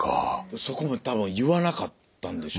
そこも多分言わなかったんでしょうね。